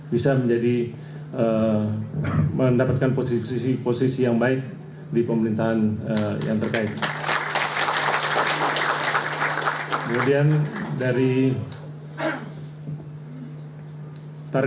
bisa menjadi mendapatkan posisi posisi yang baik di pemerintahan yang terkait